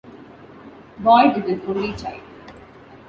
Boyd is an only child.